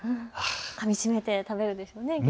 かみしめて食べるんですかね。